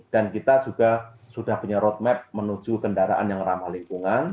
dan kita juga sudah punya roadmap menuju kendaraan yang ramah lingkungan